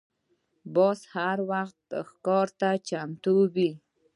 باز هر وخت ښکار ته چمتو وي